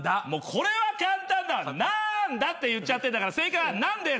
これは簡単だ「なんだ？」って言っちゃってんだから正解はナンです。